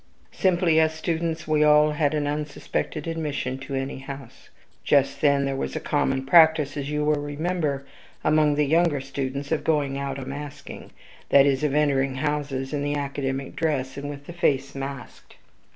Simply as students we all had an unsuspected admission at any house. Just then there was a common practice, as you will remember, among the younger students, of going out a masking that is, of entering houses in the academic dress, and with the face masked.